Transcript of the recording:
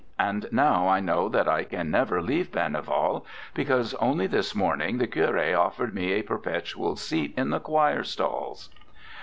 And now I know that I can never leave Berneval, because only this morning the Curé offered me a perpetual seat in the choir stalls.